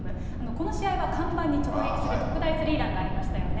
この試合は看板に直撃する特大スリーランがありましたよね。